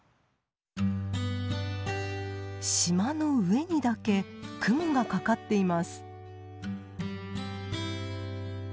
島の上にだけ雲がかかっています。